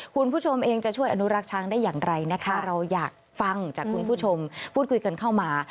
คุณผู้ชมเองจะช่วยอนุรักษ์ช้างได้อย่างไรนะคะเราอยากฟังจากคุณผู้ชมพูดคุยกันเข้ามา